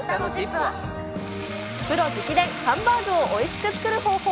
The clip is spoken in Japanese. プロ直伝、ハンバーグをおいしく作る方法。